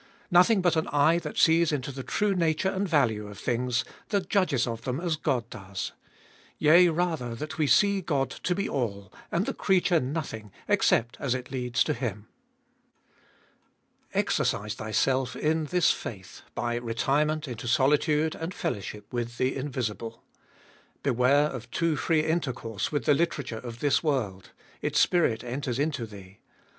Nothing but an eye that sees into the true nature and value of things, that judges of them as God does. Yea, rather that we see God to be all, and the creature nothing except as it leads to Him. 3. Exercise thyself in this faith by retirement into solitude and fellowship with the invisible. Beware of too free intercourse with the literature of this world : its spirit enters into thee.